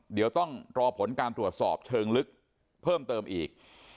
เดี๋ยวต้องรอผลการตรวจสอบเชิงลึกเพิ่มเติมอีก